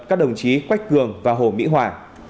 các đồng chí quách cường và hồ mỹ hòa